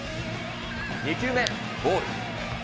２球目、ボール。